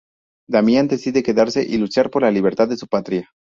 Damien decide quedarse y luchar por la libertad de su patria.